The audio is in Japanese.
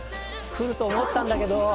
来ると思ったんだけど。